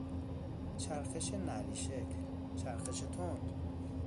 چرخش نعلی شکل، چرخش تند